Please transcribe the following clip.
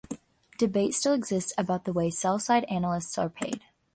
Debate still exists about the way sell-side analysts are paid.